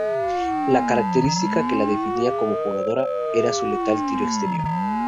La característica que la definía como jugadora era su letal tiro exterior.